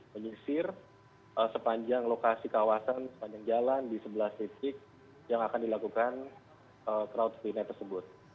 menyisir sepanjang lokasi kawasan sepanjang jalan di sebelah titik yang akan dilakukan crowdfline tersebut